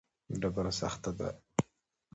ډبره سخته ده.